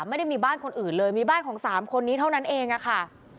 ไม่ได้มีบ้านคนอื่นเลยมีบ้านของ๓คนนี้เท่านั้นเองค่ะ